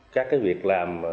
các cái việc làm